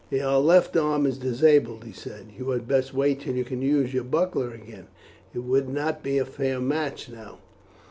"Your left arm is disabled," he said. "You had best wait till you can use your buckler again; it would not be a fair match now."